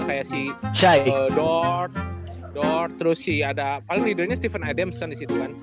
kayak si dort dort terus si ada paling leadernya steven adams kan disitu kan